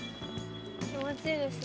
気持ちいいですね。